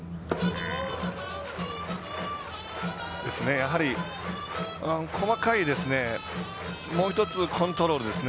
やはり細かいもう一つコントロールですね。